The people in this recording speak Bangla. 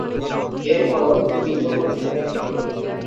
এর পরও যুদ্ধ করতে থাকেন তিনি।